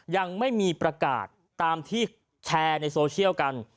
ยังไม่มีประกาศตามที่แชร์ในโซเชียลกัน